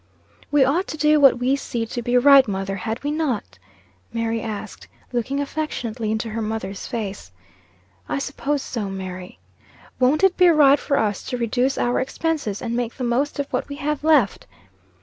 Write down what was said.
"We ought to do what we see to be right, mother, had we not?" Mary asked, looking affectionately into her mother's face. "I suppose so, Mary." "Won't it be right for us to reduce our expenses, and make the most of what we have left?"